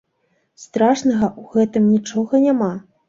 Страшнага ў гэтым нічога няма.